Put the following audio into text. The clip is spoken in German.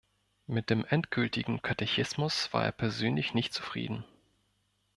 Mit dem endgültigen Katechismus war er persönlich nicht zufrieden.